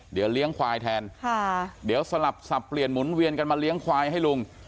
เดี๋ยวเลี้ยงควายแทนค่ะเดี๋ยวสลับสับเปลี่ยนหมุนเวียนกันมาเลี้ยงควายให้ลุง